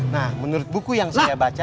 nah menurut buku yang saya baca